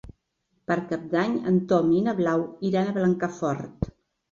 Per Cap d'Any en Tom i na Blau iran a Blancafort.